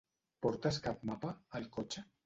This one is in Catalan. Portes cap mapa, al cotxe?